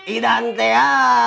idan teh ya